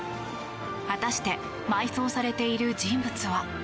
果たして埋葬されている人物は？